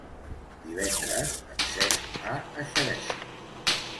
Divendres en Cesc va a Xeresa.